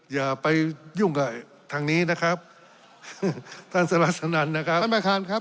อย่าไปยุ่งกับทางนี้นะครับท่านสมัสสนันนะครับท่านประธานครับ